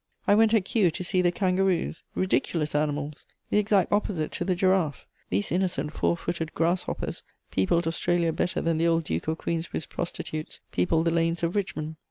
I went at Kew to see the kangaroos, ridiculous animals, the exact opposite to the giraffe: these innocent four footed grass hoppers peopled Australia better than the old Duke of Queensberry's prostitutes peopled the lanes of Richmond.